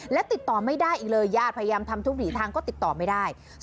และติดต่อไม่ได้อีกเลยญาติพยายามทำทุกหลีทางก็ติดต่อไม่ได้